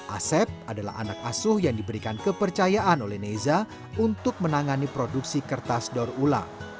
asep adalah anak asuh yang diberikan kepercayaan oleh neza untuk menangani produksi kertas daur ulang